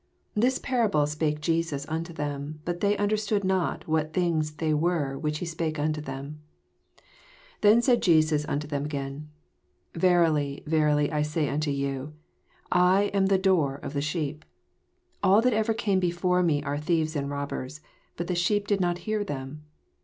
6 This parable spake Jesoa nnto them : but they understood not what things they were whioh he spake unto them. 7 Then said Jesos unto tiiem again. Verily, verily, I say onto yoo, I am the door of the sheep. 8 All that ever came before me are thieves and robbers: bat the sheep did not hear them.